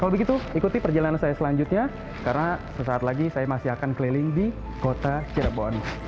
kalau begitu ikuti perjalanan saya selanjutnya karena sesaat lagi saya masih akan keliling di kota cirebon